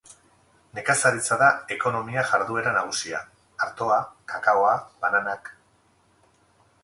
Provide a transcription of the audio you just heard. Nekazaritza da ekonomia jarduera nagusia: artoa, kakaoa, bananak.